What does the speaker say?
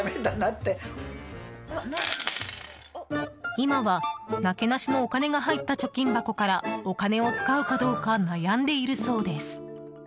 今は、なけなしのお金が入った貯金箱からお金を使うかどうか悩んでいるそうです。